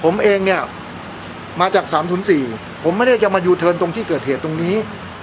มาจากสามศูนย์สี่ผมไม่ได้จะมายูเทิร์นตรงที่เกิดเหตุตรงนี้